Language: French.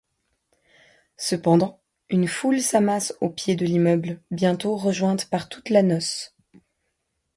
Cependant, une foule s'amasse au pied de l'immeuble, bientôt rejointe par toute la noce.